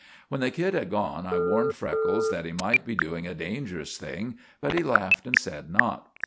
When the kid had gone I warned Freckles that he might be doing a dangerous thing; but he laughed and said not.